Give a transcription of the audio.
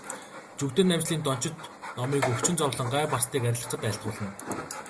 Жүгдэрнамжилын дончид номыг өвчин зовлон, гай барцдыг арилгахад айлтгуулна.